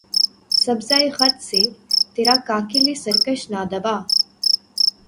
سبزہٴ خط سے ترا کاکلِ سرکش نہ دبا